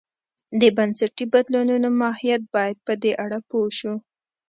د بنسټي بدلونو ماهیت باید په دې اړه پوه شو.